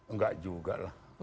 nggak juga lah